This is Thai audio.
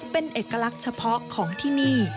เป็นเอกลักษณ์เฉพาะของที่นี่